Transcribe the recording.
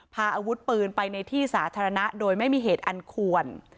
พาอาวุธปืนไปในที่สาธารณะโดยไม่มีเหตุอันควร